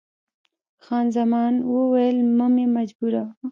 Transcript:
خان زمان وویل، مه مې مجبوروه.